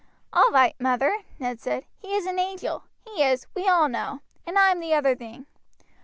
"All right, mother," Ned said. "He is an angel, he is, we all know, and I am the other thing.